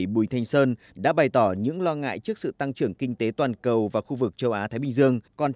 bùi thanh sơn đã bày tỏ những lo ngại trước sự tăng trưởng kinh tế toàn cầu và khu vực châu á thái bình dương